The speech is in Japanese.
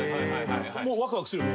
もうワクワクするよね。